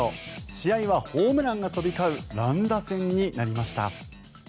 試合は、ホームランが飛び交う乱打戦になりました。